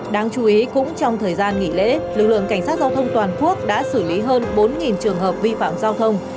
đáng chú ý cũng trong thời gian nghỉ lễ lực lượng cảnh sát giao thông toàn quốc đã xử lý hơn bốn trường hợp vi phạm giao thông